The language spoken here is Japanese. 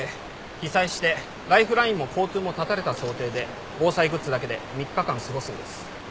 被災してライフラインも交通も断たれた想定で防災グッズだけで３日間過ごすんです。